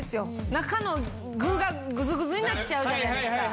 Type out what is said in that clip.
中の具がぐずぐずになっちゃうじゃないですか。